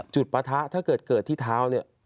ปะทะถ้าเกิดเกิดที่เท้าเนี่ย